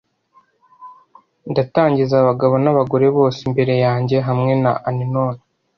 Ndatangiza abagabo n'abagore bose imbere yanjye hamwe na Unknown.